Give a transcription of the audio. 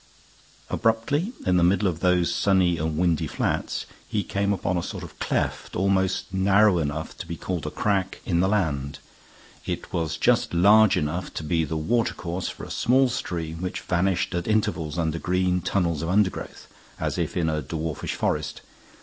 Abruptly, in the middle of those sunny and windy flats, he came upon a sort of cleft almost narrow enough to be called a crack in the land. It was just large enough to be the water course for a small stream which vanished at intervals under green tunnels of undergrowth, as if in a dwarfish forest.